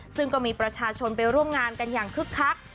ซึ่งก็มีประชาชนไปร่วมงานกันอย่างคึกคัก